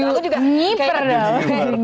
aku juga nginyper dong